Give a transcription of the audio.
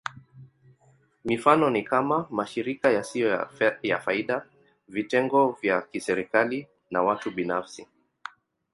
Mifano ni kama: mashirika yasiyo ya faida, vitengo vya kiserikali, na watu binafsi.